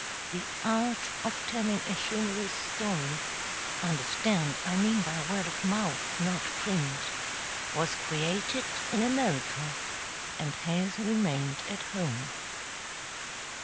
The art of telling a humorous story understand, I mean by word of mouth, not print was created in America, and has remained at home.